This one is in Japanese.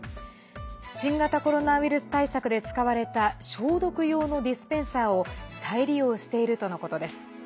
新型コロナウイルス対策で使われた消毒用のディスペンサーを再利用しているとのことです。